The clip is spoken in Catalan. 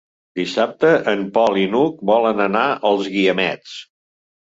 Dissabte en Pol i n'Hug volen anar als Guiamets.